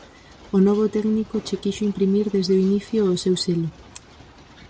O novo técnico che quixo imprimir desde o inicio o seu selo.